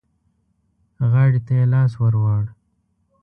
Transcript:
غاړې ته يې لاس ور ووړ.